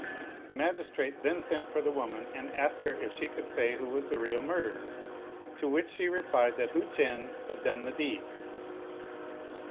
The magistrate then sent for the woman and asked her if she could say who was the real murderer; to which she replied that Hu Cheng had done the deed.